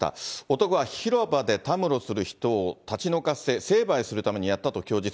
男は広場でたむろする人を立ち退かせ、成敗するためにやったと供述。